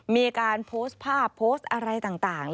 มีการโพสต์ภาพโพสต์อะไรต่าง